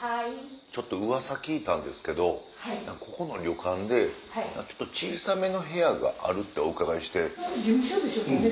ウワサ聞いたんですけどここの旅館で小さめの部屋があるってお伺いして。